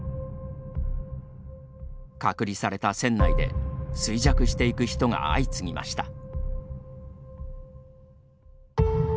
隔離された船内で衰弱していく人が相次ぎました。